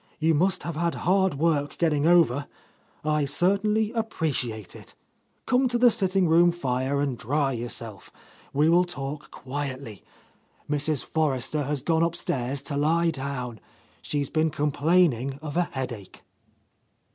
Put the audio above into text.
You must have had hard work getting over. I certainly appre ciate it. Come to the sitting room fire and dry yourself. We will talk quietly. Mrs. Forrester has gone upstairs to lie down; she's been com plaining of a headache.